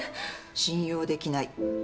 信用できない。